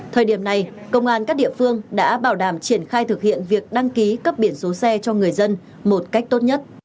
thời điểm này công an các địa phương đã bảo đảm triển khai thực hiện việc đăng ký cấp biển số xe cho người dân một cách tốt nhất